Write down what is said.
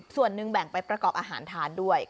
ส่วนหนึ่งแบ่งไปประกอบอาหารทานด้วย